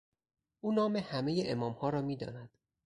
او نام همهی امامها را میداند.